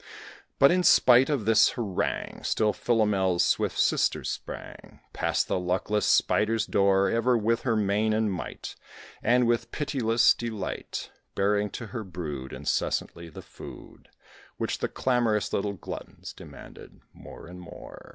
But in spite of this harangue, Still Philomel's swift sister sprang Past the luckless Spider's door, Ever with her main and might, And with pitiless delight, Bearing to her brood incessantly the food, Which the clamorous little gluttons demanded more and more.